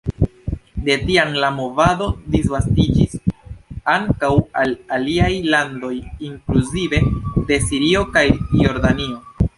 De tiam la movado disvastiĝis ankaŭ al aliaj landoj, inkluzive de Sirio kaj Jordanio.